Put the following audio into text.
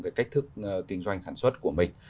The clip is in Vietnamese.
cái cách thức kinh doanh sản xuất của mình